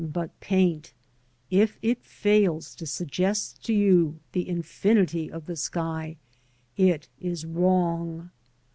but paint, if it fails to suggest to you the infinity of the sky, it is wrong.